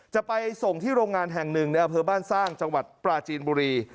จะไปส่งที่โรงงานแห่งหนึ่งในอำเภอบ้านสร้างจังหวัดปราจีนบุรี